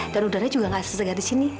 dan udaranya juga nggak se segar di sini